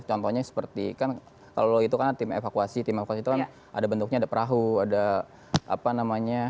contohnya seperti kan kalau lo itu kan tim evakuasi tim evakuasi itu kan ada bentuknya ada perahu ada apa namanya